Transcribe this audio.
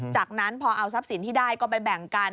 จากนั้นพอเอาทรัพย์สินที่ได้ก็ไปแบ่งกัน